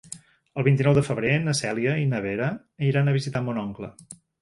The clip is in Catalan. El vint-i-nou de febrer na Cèlia i na Vera iran a visitar mon oncle.